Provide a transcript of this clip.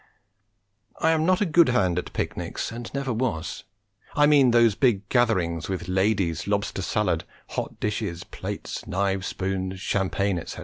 I am not a good hand at picnics and never was. I mean those big gatherings with ladies, lobster salad, hot dishes, plates, knives, spoons, champagne, etc.